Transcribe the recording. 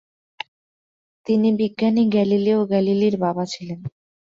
তিনি বিজ্ঞানি গ্যালিলিও গ্যালিলির বাবা ছিলেন।